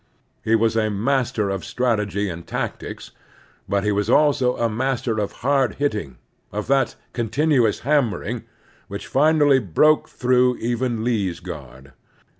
He was a master of strategy and tactics, but he was also a master of hard hitting, of that "continuous hammering" which finally broke through even Lee's guard.